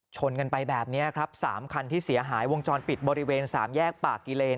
ชนกันไปแบบนี้ครับ๓คันที่เสียหายวงจรปิดบริเวณสามแยกปากกิเลน